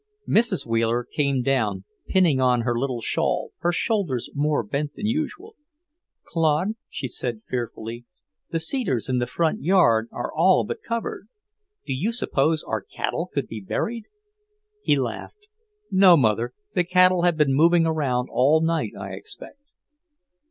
Mrs. Wheeler came down, pinning on her little shawl, her shoulders more bent than usual. "Claude," she said fearfully, "the cedars in the front yard are all but covered. Do you suppose our cattle could be buried?" He laughed. "No, Mother. The cattle have been moving around all night, I expect."